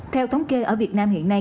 theo thống kê ở việt nam hiện nay